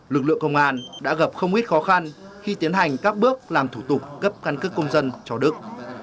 lực lượng công an đã gặp không ít khó khăn khi tiến hành các bước làm thủ tục cấp căn cước công dân cho đức